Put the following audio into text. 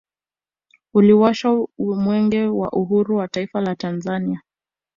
Uliwashwa mwenge wa uhuru wa taifa la Tanzania